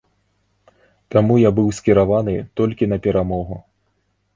Таму я быў скіраваны толькі на перамогу.